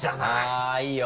あっいいよ。